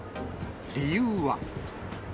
理由は。